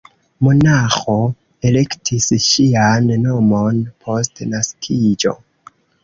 Monaĥo elektis ŝian nomon post naskiĝo.